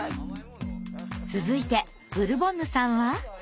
続いてブルボンヌさんは。